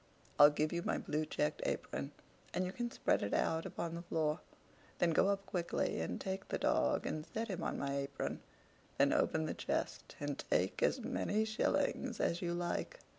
I'll give you my blue checked apron, and you can spread it out upon the floor; then go up quickly and take the dog, and set him on my apron; then open the chest, and take as many shillings as you like.